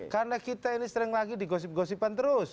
karena kita ini sering lagi digosip gosipan terus